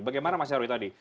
bagaimana mas nyarwi tadi